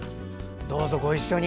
どうぞご一緒に。